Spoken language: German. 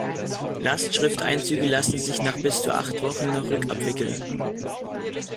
Lastschrifteinzüge lassen sich nach bis zu acht Wochen noch rückabwickeln.